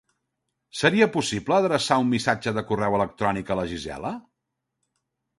Seria possible adreçar un missatge de correu electrònic a la Gisela?